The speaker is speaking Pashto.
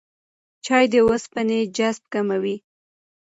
چای د اوسپنې جذب کموي.